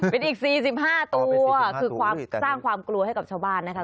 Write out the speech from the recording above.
เป็นอีก๔๕ตัวคือความสร้างความกลัวให้กับชาวบ้านนะคะ